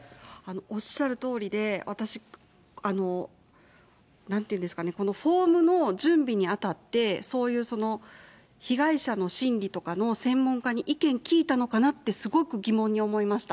おっしゃるとおりで、私、なんていうんですかね、このフォームの準備に当たって、そういう、被害者の心理とかの専門家に意見聞いたのかなってすごく疑問に思いました。